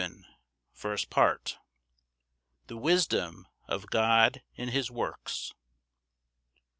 First Part. The wisdom of God in his works.